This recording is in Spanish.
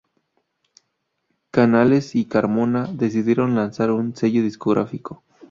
Canales y Carmona decidieron lanzar un sello discográfico.